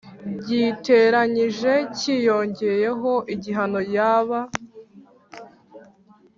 giteranyije cyiyongeyeho igihano yaba